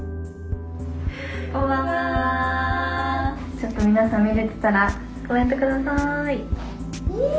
ちょっと皆さん見れてたらコメント下さい。